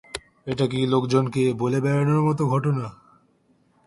এটা কি লোকজনকে বলে বেড়ানোর মতো ঘটনা?